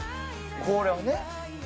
これをね。